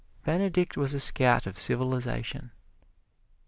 Benedict was a scout of civilization.